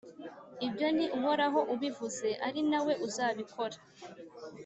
ibyo ni uhoraho ubivuze, ari na we uzabikora.